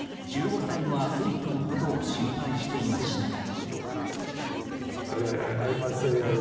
１５歳のアスリートのことを心配していました。